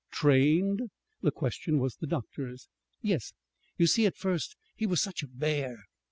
"Trained?" The question was the doctor's. "Yes. You see at first he was such a bear."